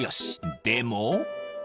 ［でも］